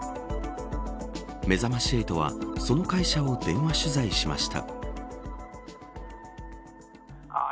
めざまし８は、その会社を電話取材しました。